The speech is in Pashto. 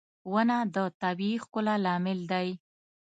• ونه د طبيعي ښکلا لامل دی.